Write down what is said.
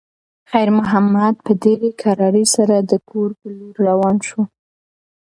خیر محمد په ډېرې کرارۍ سره د کور په لور روان شو.